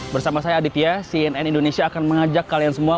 bersama saya aditya cnn indonesia akan mengajak kalian semua